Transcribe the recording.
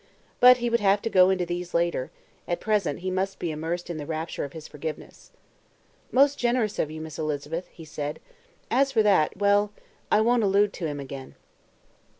But he would have to go into these later; at present he must be immersed in the rapture of his forgiveness. "Most generous of you, Miss Elizabeth," he said. "As for that well, I won't allude to him again."